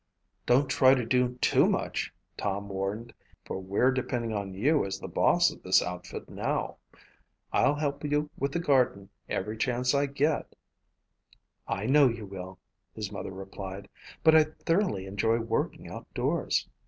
"Don't try to do too much," Tom warned, "for we're depending on you as the boss of this outfit now. I'll help you with the garden every chance I get." "I know you will," his mother replied, "but I thoroughly enjoy working outdoors.